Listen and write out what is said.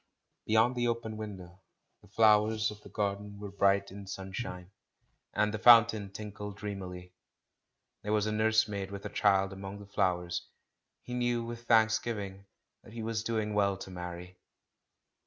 Beyond the open window, the flowers of the garden were bright in sunshine, and the fountain tinkled dreamily. There was a nurse maid with a child among the flowers ; he knew with thanks giving that he was doing well to marry.